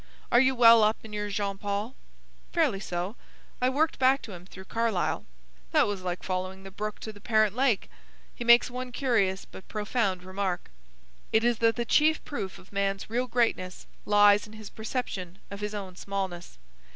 Are you well up in your Jean Paul?" "Fairly so. I worked back to him through Carlyle." "That was like following the brook to the parent lake. He makes one curious but profound remark. It is that the chief proof of man's real greatness lies in his perception of his own smallness.